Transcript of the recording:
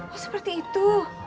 oh seperti itu